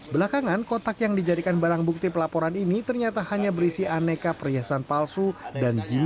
belakangan kotak yang dijadikan barang bukti pelaporan ini ternyata hanya berisi aneka perhiasan palsu dan jim